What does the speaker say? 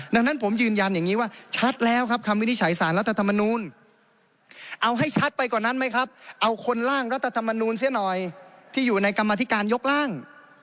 ดังนั้นผมยืนยันอย่างนี้ว่าชัดแล้วครับคำวินิจฉัยสารรัฐธรรมนูลเอาให้ชัดไปกว่านั้นไหมครับเอาคนร่างรัฐธรรมนูลเสียหน่อยที่อยู่ในกรรมธิการยกร่าง